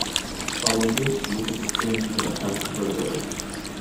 Following this, Lucas experiences an attack of vertigo.